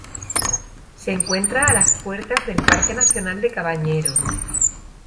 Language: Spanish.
Se encuentra a las puertas del Parque nacional de Cabañeros.